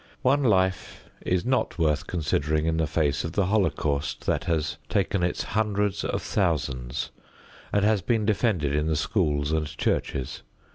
One life is not worth considering in the face of the holocaust that has taken its hundreds of thousands and has been defended in the schools and churches.